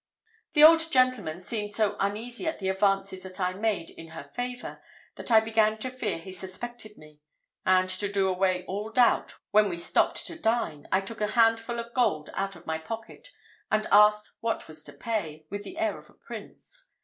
"The old gentleman seemed so uneasy at the advances that I made in her favour, that I began to fear he suspected me; and to do away all doubt, when we stopped to dine, I took a handful of gold out of my pocket, and asked what was to pay, with the air of a prince.